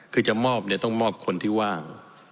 คือจะมอบเนี่ยต้องมอบคนที่ว่าง